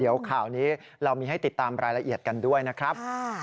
เดี๋ยวข่าวนี้เรามีให้ติดตามรายละเอียดกันด้วยนะครับ